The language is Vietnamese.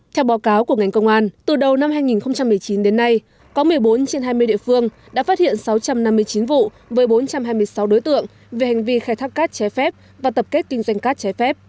theo báo cáo của ngành công an từ đầu năm hai nghìn một mươi chín đến nay có một mươi bốn trên hai mươi địa phương đã phát hiện sáu trăm năm mươi chín vụ với bốn trăm hai mươi sáu đối tượng về hành vi khai thác cát trái phép và tập kết kinh doanh cát trái phép